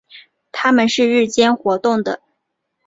它们是日间活动的。